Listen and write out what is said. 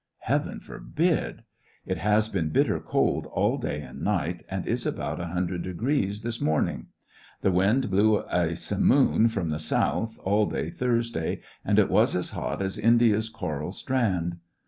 Heaven forbid ! It has been bitter cold all day and night, and is about lOQo this morning. The wind blew a simoon from the south all day Thursday, and it was as hot as 'India's coral strand.'